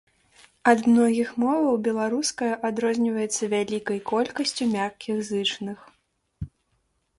Ад многіх моваў беларуская адрозніваецца вялікай колькасцю мяккіх зычных.